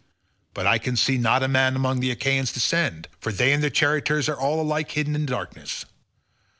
But I can see not a man among the Achaeans to send, for they and their chariots are alike hidden in darkness.